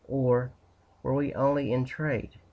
or, were we only in trade?"